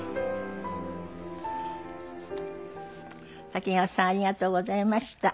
滝川さんありがとうございました。